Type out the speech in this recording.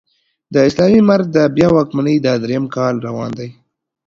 د اسلامي امارت د بيا واکمنۍ دا درېيم کال روان دی